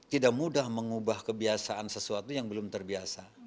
tidak mudah mengubah kebiasaan sesuatu yang belum terbiasa